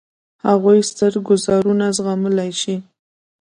هغوی ستر ګوزارونه زغملای شي.